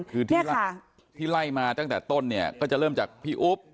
คือที่ไล่มาตั้งแต่ต้นเนี่ยก็จะเริ่มจากพี่อุ๊บ